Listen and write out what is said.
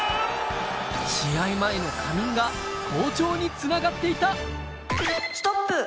試合前の仮眠が好調につながストップ。